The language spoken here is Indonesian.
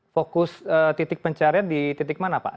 fokus titik pencarian di titik mana pak